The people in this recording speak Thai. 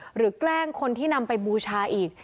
แกล้งคนที่นำไปบูชาอีก